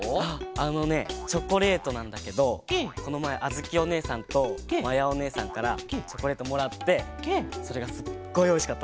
あのねチョコレートなんだけどこのまえあづきおねえさんとまやおねえさんからチョコレートもらってそれがすっごいおいしかった。